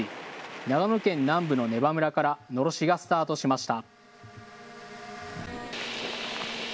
長野県南部の根羽村からのろしがスタートしました。